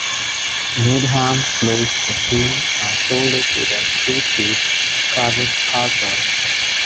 Needham closed the team and sold it to their crew chief, Travis Carter.